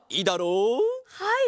はい！